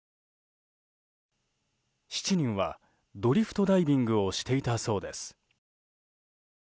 ７人は、ドリフトダイビングをしていたそうです。